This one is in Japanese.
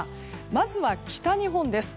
まずは北日本です。